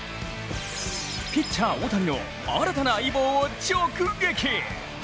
ピッチャー・大谷の新たな相棒を直撃。